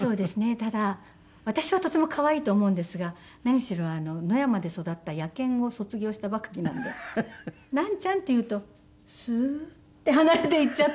ただ私はとても可愛いと思うんですが何しろ野山で育った野犬を卒業したばかりなので「なんちゃん」って言うとスーッて離れて行っちゃったり。